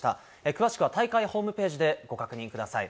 詳しくは大会ホームページでご確認ください。